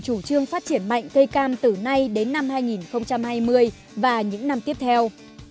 chủ trương phát triển mạnh cây cam từ nay đến năm hai nghìn hai mươi và những năm tiếp theo